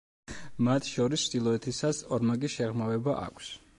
მათ შორის ჩრდილოეთისას ორმაგი შეღრმავება აქვს.